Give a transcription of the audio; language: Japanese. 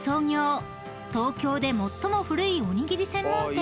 ［東京で最も古いおにぎり専門店とされる「宿六」］